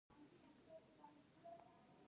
پاکوالی روغتیا تضمینوي